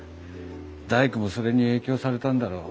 大工もそれに影響されたんだろう。